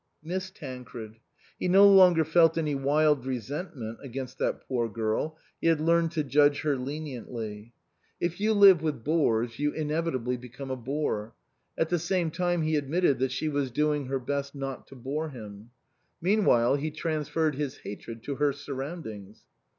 Miss Tancred. He no longer felt any wild resentment against that poor girl ; he had learned to judge her leniently. If you live with 43 THE COSMOPOLITAN bores you inevitably become a bore ; at the same time, he admitted that she was doing her best not to bore him. Meanwhile he transferred his hatred to her surroundings.